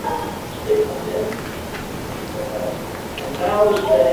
This new route was called the "Central Overland California Route".